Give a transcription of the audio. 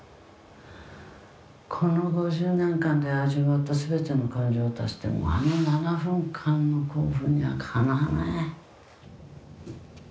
「この５０年間で味わった全ての感情を足してもあの７分間の興奮にはかなわない」